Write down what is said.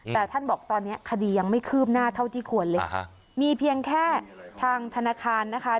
แต่ท่านบอกตอนนี้คดียังไม่คืบหน้าเท่าที่ควรเลยมีเพียงแค่ทางธนาคารนะคะ